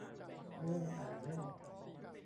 เรื่องอ่านเล่น